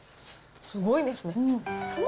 すごいですね。